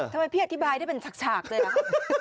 ทำไมพี่อธิบายได้เป็นฉากเลยอะ